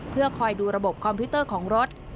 เพื่อคอยดูระบบคอมพิวเตอร์ของรถ